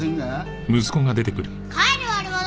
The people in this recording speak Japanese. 帰れ悪者！